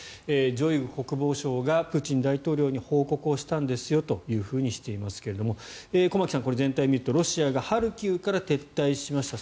ショイグ国防相がプーチン大統領に報告をしたんですよとしていますが駒木さん、全体を見るとロシアがハルキウから撤退しました。